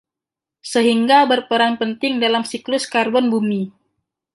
Sehingga berperan penting dalam siklus karbon Bumi.